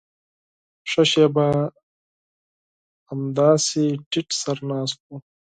ښه شېبه همداسې ټيټ سر ناست و.